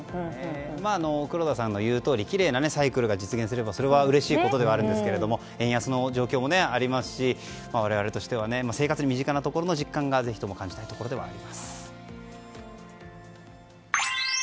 黒田さんのいうとおりきれいなサイクルが実現すればそれはうれしいことではあるんですけれども円安の状況もありますし我々としては生活に身近なところの実感がぜひとも感じたいところです。